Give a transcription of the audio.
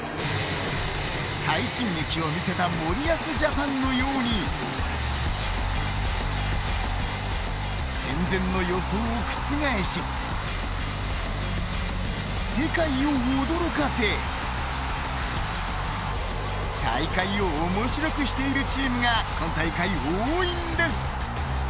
快進撃を見せた森保ジャパンのように戦前の予想を覆し世界を驚かせ大会を面白くしているチームが今大会、多いんです。